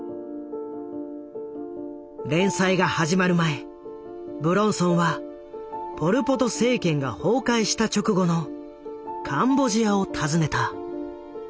連載が始まる前武論尊はポル・ポト政権が崩壊した直後のカンボジアを訪ねた。